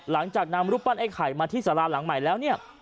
หลังจากนำรูปปั้นไอ้ไข่มาที่สาราหลังใหม่แล้วเนี่ย